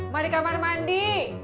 mak di kamar mandi